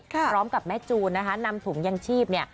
พร้อมกับแม่จูนนะคะนำถุงยังชีพเนี่ย